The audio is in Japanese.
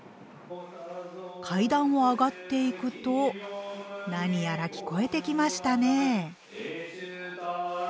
階段を上がっていくと何やら聞こえてきましたね。